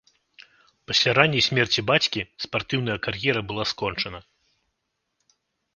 Пасля ранняй смерці бацькі спартыўная кар'ера была скончана.